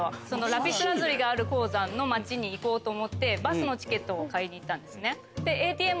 ラピスラズリがある鉱山の町に行こうと思ってバスのチケットを買いに行ったんですね。